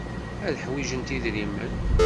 Ad ḥwijent idrimen.